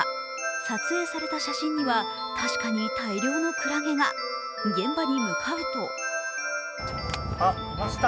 撮影された写真には確かに大量のくらげが現場に向かうとあっ、いました。